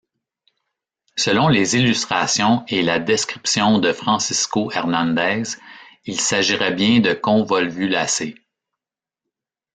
Selon les illustrations et la description de Francisco Hernández, il s'agirait bien de convolvulacées.